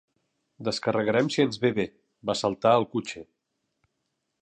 —Descarregarem si ens ve bé—va saltar el cotxer